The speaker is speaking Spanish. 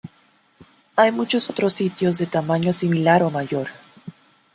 Hay muchos otros sitios de tamaño similar o mayor.